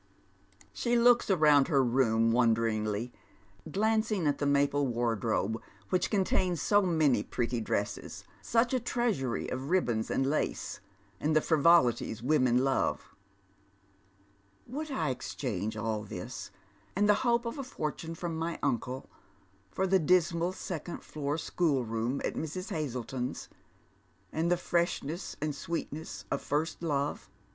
She looks round her room wonderingly, glancing at the maple wardrobe which contains so many pretty dresses, such a treasury of riblions and lace, and the frivolities women love. " Would I exchange all tliis, and the hope of a fortune from my uncle, for the dismal second floor schoolroom at Mrs. I lazleton's, and the freshness and sweetness of first love?"